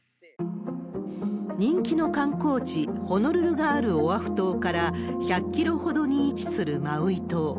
人気の観光地、ホノルルがあるオアフ島から１００キロほどに位置するマウイ島。